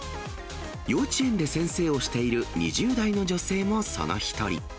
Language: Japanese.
幼稚園で先生をしている２０代の女性もその一人。